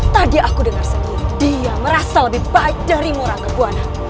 tadi aku dengar sendiri dia merasa lebih baik darimu rangga buana